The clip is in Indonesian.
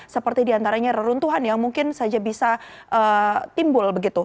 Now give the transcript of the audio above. seperti diantaranya reruntuhan yang mungkin saja bisa timbul begitu